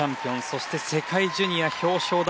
そして世界ジュニア表彰台。